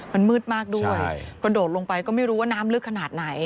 มันมืดมากด้วยกระโดดลงไปก็ไม่รู้ว่าน้ำลึกขนาดไหน